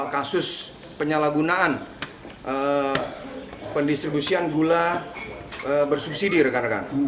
kasus penyalahgunaan pendistribusian gula bersubsidi rekan rekan